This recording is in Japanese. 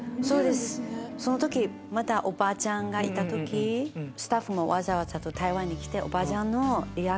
その時まだおばあちゃんがいた時スタッフもわざわざ台湾に来て。